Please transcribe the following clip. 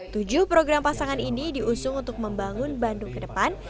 tujuh program pasangan ini diusung untuk membangun bandung ke depan